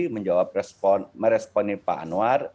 menjawab respon meresponin pak anwar